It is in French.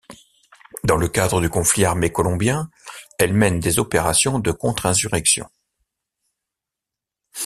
Dans le cadre du conflit armé colombien, elle mène des opérations de contre-insurrection.